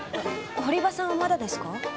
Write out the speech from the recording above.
堀場さんはまだですか？